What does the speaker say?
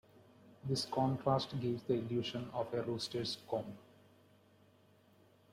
This contrast gives the illusion of a rooster's comb.